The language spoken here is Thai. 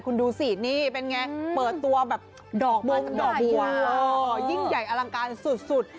คุณดูสินี่เป็นไงเปิดตัวแบบดอกบัวดอกบัวยิ่งใหญ่อลังการสุด